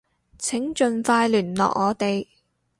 請盡快聯絡我哋